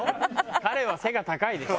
「彼は背が高い」でしょ。